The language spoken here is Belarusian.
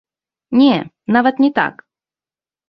Не, нават не так!